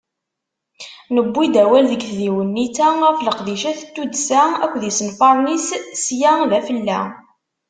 Newwi-d awal deg tdiwennit-a ɣef leqdicat n tuddsa akked yisenfaren-is sya d afella.